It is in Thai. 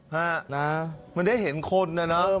คันมาได้เห็นคนเนี่ย